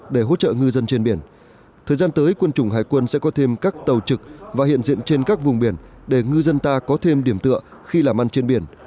để hỗ trợ ngư dân trên biển thời gian tới quân chủng hải quân sẽ có thêm các tàu trực và hiện diện trên các vùng biển để ngư dân ta có thêm điểm tựa khi làm ăn trên biển